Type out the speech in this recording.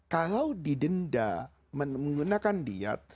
kalau didenda menggunakan diat